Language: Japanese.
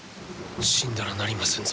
死んだらなりませんぞ。